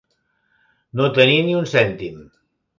No tenir ni un cèntim.